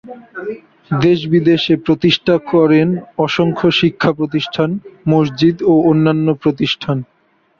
দেশ বিদেশে প্রতিষ্ঠা করেন অসংখ্য শিক্ষা প্রতিষ্ঠান, মসজিদ ও অন্যান্য প্রতিষ্ঠান।